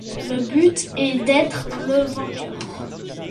Le but est d'être le vainqueur.